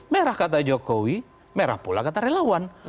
merah kata jokowi merah pula kata relawan